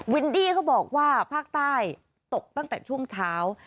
วินดี้เขาบอกว่าภาคใต้ตกตั้งแต่ช่วงเช้า